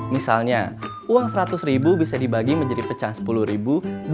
misalnya uang seratus ribu bisa dibagi menjadi pecahan sepuluh ribu